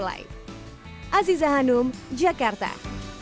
pakai dia tak utuh